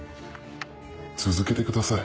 続けてください。